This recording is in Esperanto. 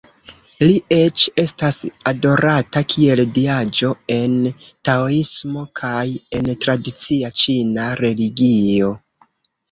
Li eĉ estas adorata kiel diaĵo en taoismo kaj en tradicia ĉina religio.